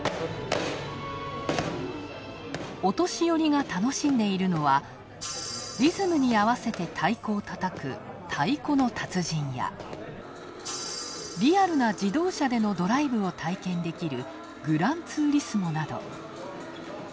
お年寄りが楽しんでいるのは、リズムに合わせて太鼓をたたく「太鼓の達人」やリアルな自動車でのドライブを体験できる「グランツーリスモ」など。